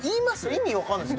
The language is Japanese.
意味分かんないです